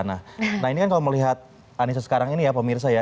nah ini kan kalau melihat anissa sekarang ini ya pemirsa ya